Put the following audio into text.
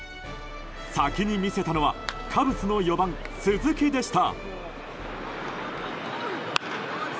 先に見せたのはカブスの４番、鈴木でした。